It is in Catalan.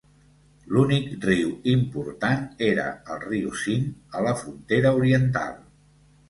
L'únic riu important era el riu Sind a la frontera oriental.